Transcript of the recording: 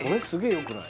よくない？